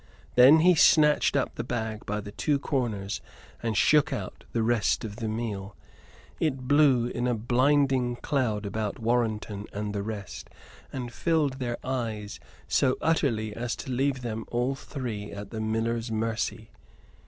Then he snatched up the bag by the two corners and shook out the rest of the meal. It blew in a blinding cloud about Warrenton and the rest, and filled their eyes so utterly as to leave them all three at the miller's mercy.